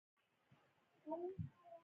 له دوی نوکران جوړېږي دا حقیقت دی.